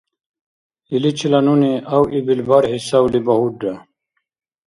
Иличила нуни авъибил бархӀи савли багьурра.